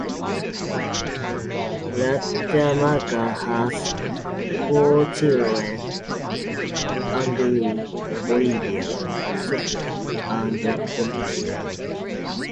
Rademaker has four children: Andrew, Olivia, Sophia, and Nicky.